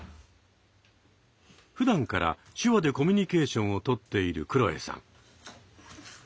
ふだんから手話でコミュニケーションを取っているくろえさん。